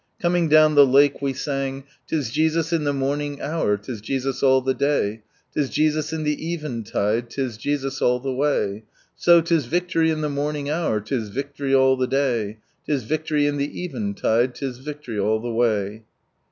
Coming down the lake we sang —" 'Tis Jesus in the momine bow, 'tii Jesus all Ihe day, "T\s Jesus in the eventide, 'tis Jesus a.11 the way. So— 'tis victory in the morning hour, 'tis victory nil the 'lay. 'Tis victory in the eventide, 'tis victory all the way